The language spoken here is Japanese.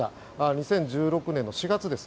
２０１６年４月です。